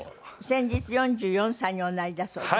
先日４４歳におなりだそうで。